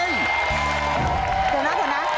ถูกนะ